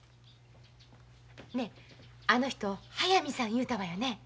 ねえあの人速水さんいうたわよね？